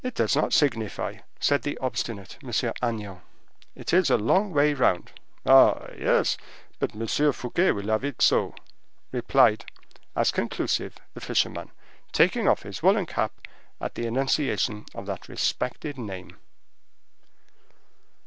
"It does not signify," said the obstinate M. Agnan; "it is a long way round." "Ah! yes; but M. Fouquet will have it so," replied, as conclusive, the fisherman, taking off his woolen cap at the enunciation of that respected name.